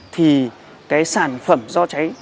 thì cái sản phẩm do cháy